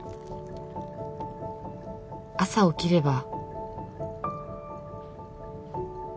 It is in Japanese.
「朝起きれば」